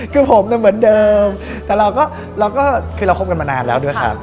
คือผมน่ะเหมือนเดิมแต่เราก็คือเราคบกันมานานแล้วด้วยครับ